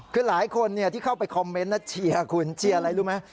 คือหลายคนที่เข้าไปคอมเมนต์เชียร์คุณเชียร์อะไรรู้ไหม